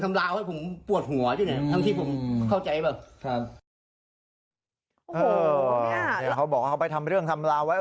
แล้วเขาบอกว่าเขาไปทำเรื่องทำราวไว้